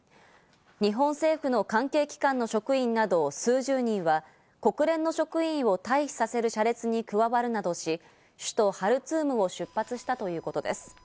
日本政府の関係機関の職員など数十人は、国連の社員も退避させる車列に加わるなどし、首都ハルツームを出発したということです。